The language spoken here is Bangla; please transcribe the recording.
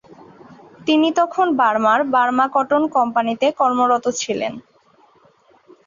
তিনি তখন বর্মার "বার্মা কটন কোম্পানিতে" কর্মরত ছিলেন।